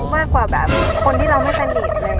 มากกว่าแบบคนที่เราไม่สนิทเลย